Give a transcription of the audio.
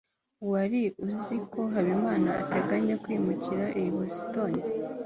wari uzi ko habimana ateganya kwimukira i boston